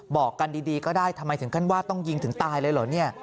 บอกกันดีก็ได้ทำไมถึงขั้นว่าต้องยิงถึงตายเลยเหรอเนี่ย